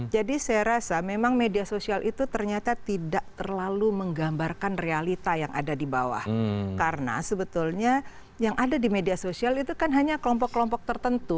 jadi saya rasa memang media sosial itu ternyata tidak terlalu menggambarkan realita yang ada di bawah karena sebetulnya yang ada di media sosial itu kan hanya kelompok kelompok tertentu